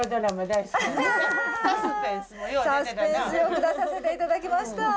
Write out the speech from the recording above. サスペンスよく出させていただきました。